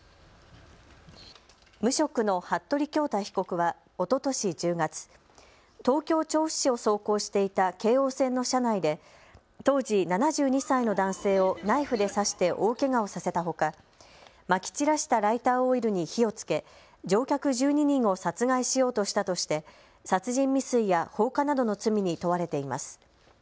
無職の服部恭太被告はおととし１０月、東京調布市を走行していた京王線の車内で当時７２歳の男性をナイフで刺して大けがをさせたほかまき散らしたライターオイルに火をつけ乗客１２人を殺害しようとしたとして殺人未遂や放火などの罪に問われています。